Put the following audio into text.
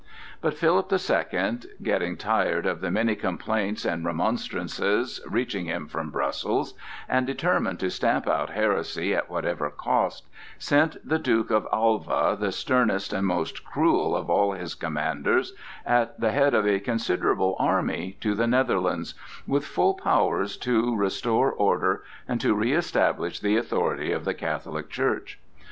But Philip the Second, getting tired of the many complaints and remonstrances reaching him from Brussels, and determined to stamp out heresy at whatever cost, sent the Duke of Alva, the sternest and most cruel of all his commanders, at the head of a considerable army to the Netherlands, with full powers to restore order and to reëstablish the authority of the Catholic Church.